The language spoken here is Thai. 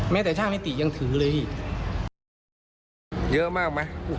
แม้แต่ช่างนิติยังถือเลยอีก